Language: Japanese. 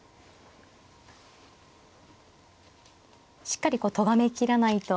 しっかりこうとがめきらないと。